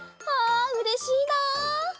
うれしいな！